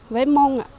với mông ạ